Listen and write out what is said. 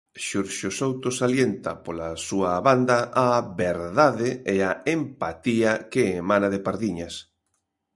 Xurxo Souto salienta, pola súa banda, a "verdade" e a "empatía" que emana de Pardiñas.